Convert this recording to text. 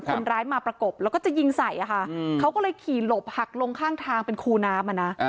คนร้ายมาประกบแล้วก็จะยิงใส่อะค่ะเขาก็เลยขี่หลบหักลงข้างทางเป็นคูน้ำอ่ะนะ